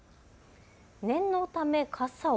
念のため傘を。